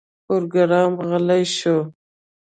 پروګرامر غلی شو